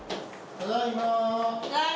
ただいま。